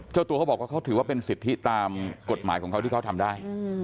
เจ้าตัวเขาบอกว่าเขาถือว่าเป็นสิทธิตามกฎหมายของเขาที่เขาทำได้